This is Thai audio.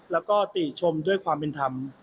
แล้วก็ติชมด้วยความเป็นธรรม